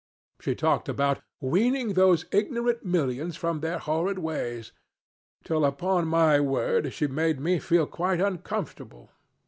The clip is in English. She talked about 'weaning those ignorant millions from their horrid ways,' till, upon my word, she made me quite uncomfortable.